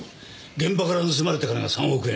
現場から盗まれた金が３億円。